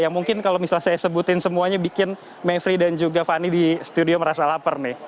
yang mungkin kalau misalnya saya sebutin semuanya bikin mevri dan juga fani di studio merasa lapar nih